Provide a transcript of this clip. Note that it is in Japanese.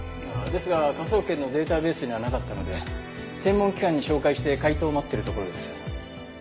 ですが科捜研のデータベースにはなかったので専門機関に照会して回答を待ってるところです。